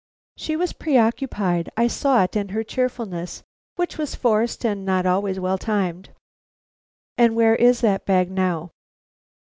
"She was preoccupied. I saw it in her cheerfulness, which was forced and not always well timed." "And where is that bag now?"